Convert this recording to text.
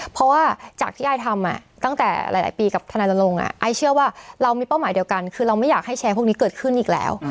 เพราะว่าจากที่ไอ้ทำตั้งแต่หลายปีกับทนายลงไอเชื่อว่าเรามีเป้าหมายเดียวกันคือเราไม่อยากให้แชร์พวกนี้เกิดขึ้นอีกแล้ว